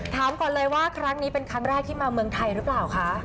ถามก่อนเลยว่าครั้งนี้เป็นครั้งแรกที่มาเมืองไทยหรือเปล่าคะ